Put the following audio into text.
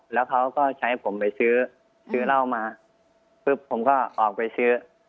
แล้วเขาก็ใช้ผมไปซื้อซื้อเหล้ามาปุ๊บผมก็ออกไปซื้อ